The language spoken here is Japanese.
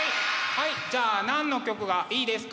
はいじゃあ何の曲がいいですか？